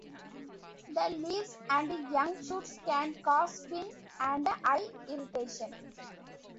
The leaves and young shoots can cause skin and eye irritation.